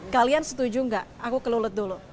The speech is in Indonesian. kalian setuju gak aku ke lulut dulu